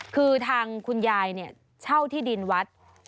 คือทางคุณยายเช่าที่ดินวัด